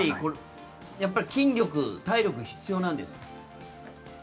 やっぱり筋力、体力必要なんですか？